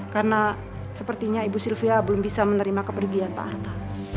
karena sepertinya ibu sylvia belum bisa menerima kepergian pak arta